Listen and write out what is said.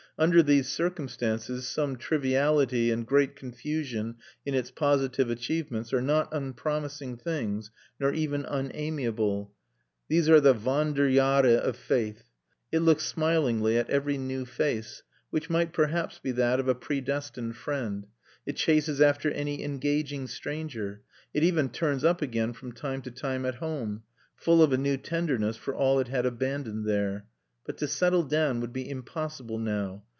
Under these circumstances, some triviality and great confusion in its positive achievements are not unpromising things, nor even unamiable. These are the Wanderjahre of faith; it looks smilingly at every new face, which might perhaps be that of a predestined friend; it chases after any engaging stranger; it even turns up again from time to time at home, full of a new tenderness for all it had abandoned there. But to settle down would be impossible now.